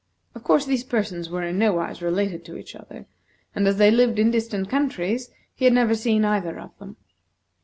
Of course these persons were in nowise related to each other; and as they lived in distant countries, he had never seen either of them.